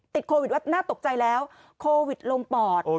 โควิดว่าน่าตกใจแล้วโควิดลงปอด